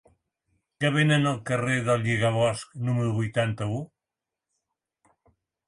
Què venen al carrer del Lligabosc número vuitanta-u?